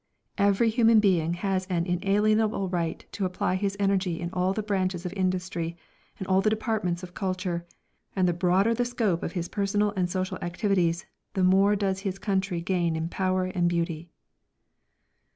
"Every human being has an inalienable right to apply his energy in all the branches of industry and all the departments of culture, and the broader the scope of his personal and social activities, the more does his country gain in power and beauty."